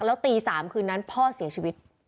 แล้วตี๓คืนนั้นพ่อเสียชีวิต